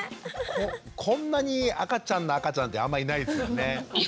こんなに赤ちゃんな赤ちゃんってあんまりいないですよね。